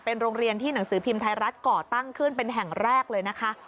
โรงเรียนที่หนังสือพิมพ์ไทยรัฐก่อตั้งขึ้นเป็นแห่งแรกเลยนะคะ